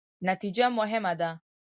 نتیجه مهمه ده